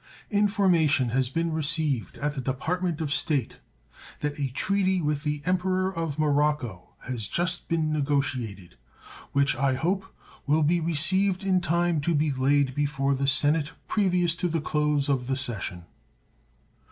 Information has been received at the Department of State that a treaty with the Emperor of Morocco has just been negotiated, which, I hope, will be received in time to be laid before the Senate previous to the close of the session.